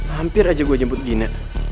hampir aja gue jemput gina